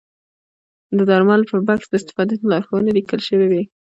د درملو پر بکس د استفادې لارښوونې لیکل شوې وي.